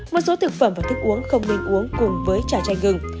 một số thực phẩm và thức uống không nên uống cùng với trà chanh gừng